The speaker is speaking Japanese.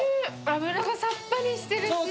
脂がさっぱりしてるし。